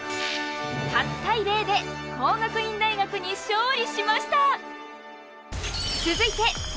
８対０で工学院大学に勝利しました。